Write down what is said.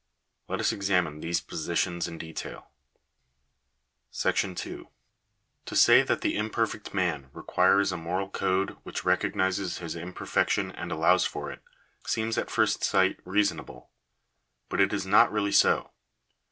Let us examine these positions in detail. M To say that the imperfect man requires a moral code which recognises his imperfection and allows for it, seems at first sight reasonable. But it is not really so.